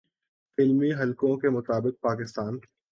فلمی حلقوں کے مطابق پاکستان